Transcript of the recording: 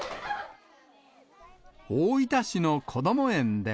大分市のこども園では。